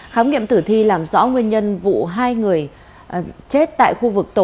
khám nghiệm tử thi làm rõ nguyên nhân vụ hai người chết tại khu vực tổ ba